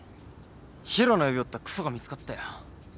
ヒロの指折ったクソが見つかったよ。